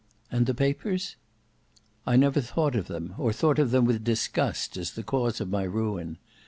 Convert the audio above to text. "And the papers?" "I never thought of them, or thought of them with disgust, as the cause of my ruin.